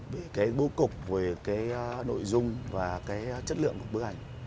với cái bố cục về cái nội dung và cái chất lượng của bức ảnh